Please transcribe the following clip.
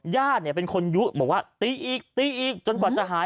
ญาติเนี่ยเป็นคนยุบอกว่าตีอีกตีอีกจนกว่าจะหาย